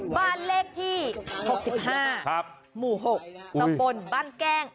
บ้านเลขที่๖๕หมู่๖ตำบลบ้านแก้ง